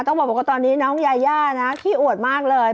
ต้องบอกว่าตอนนี้น้องยาย่านะขี้อวดมากเลย